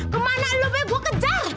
kemana lu be gua kejar